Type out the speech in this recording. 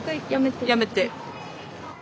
やめて。